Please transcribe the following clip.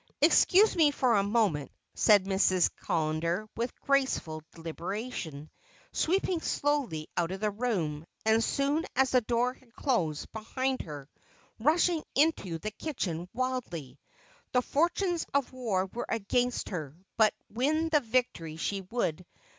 "Excuse me for a moment," said Mrs. Callender with graceful deliberation, sweeping slowly out of the room, and as soon as the door had closed behind her rushing into the kitchen wildly. The fortunes of war were against her, but win the victory she would.